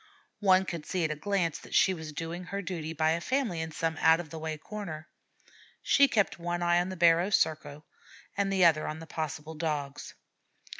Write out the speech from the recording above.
One could see at a glance that she was doing her duty by a family in some out of the way corner. She kept one eye on the barrow circle and the other on the possible Dogs.